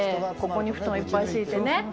ここに布団、いっぱい敷いてね